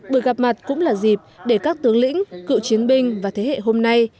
buổi gặp mặt cũng là dịp để các tướng lĩnh cựu chiến binh và thế hệ hôm nay